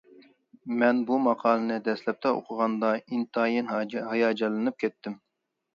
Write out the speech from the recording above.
مەن بۇ ماقالىنى دەسلەپتە ئوقۇغاندا ئىنتايىن ھاياجانلىنىپ كەتتىم.